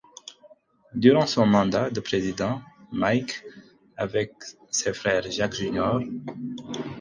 Durant son mandat de président, Mike, avec ses frères Jack Jr.